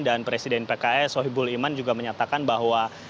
dan presiden pks sohibul iman juga menyatakan bahwa